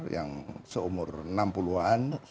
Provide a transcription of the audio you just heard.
yang seumur enam puluh an